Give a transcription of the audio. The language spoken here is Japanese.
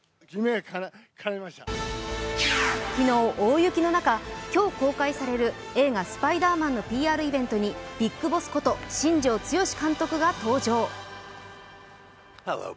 昨日、大雪の中、今日公開される映画「スパイダーマン」のＰＲイベントにビッグボスこと新庄剛志監督が登場。